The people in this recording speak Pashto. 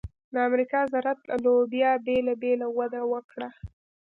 د امریکا ذرت او لوبیا بېله بېله وده وکړه.